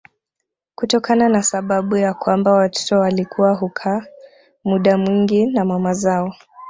Kutokana na sababu ya kwamba watoto walikuwa hukaa muda mwingi na mama zao